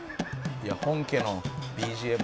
「本家のＢＧＭ。